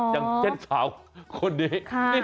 อย่างเจ็ดขาวคนนี้